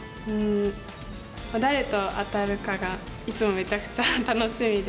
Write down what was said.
誰と当たるかがいつもめちゃくちゃ楽しみで。